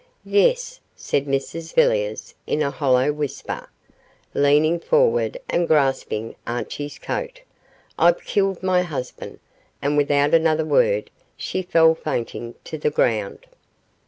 'Yes,' said Mrs Villiers, in a hollow whisper, leaning forward and grasping Archie's coat, 'I've killed my husband,' and without another word, she fell fainting to the ground.